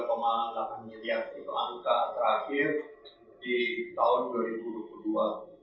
itu angka terakhir di tahun dua ribu dua puluh dua